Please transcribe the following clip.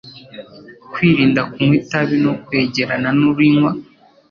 Kwirinda kunywa itabi no kwegerana n'urinywa,